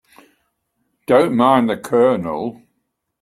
Don't mind the Colonel.